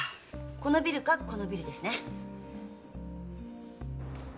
このビルかこのビルですね。